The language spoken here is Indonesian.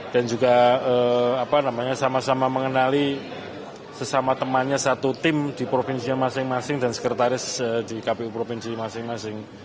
dan juga sama sama mengenali sesama temannya satu tim di provinsi masing masing dan sekretaris di kpu provinsi masing masing